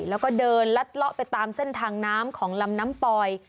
แล้วก็เดินลัดเลาะไปตามเส้นทางน้ำของลำน้ำปอย